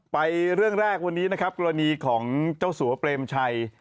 ไปเรื่องแรกวันนี้นะครับกรณีของเจ้าสัวเปรมชัย